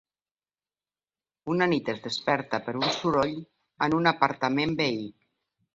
Una nit es desperta per un soroll en un apartament veí.